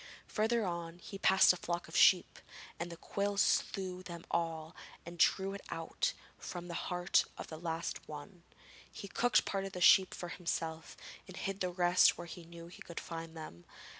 Further on, he passed a flock of sheep, and the quill slew them all and he drew it out from the heart of the last one. He cooked part of a sheep for himself and hid the rest where he knew he could find them.